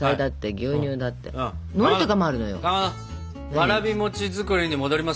わらび餅作りに戻りますよ。